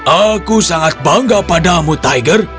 aku sangat bangga padamu tiger